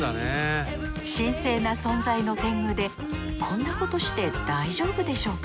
神聖な存在の天狗でこんなことして大丈夫でしょうか？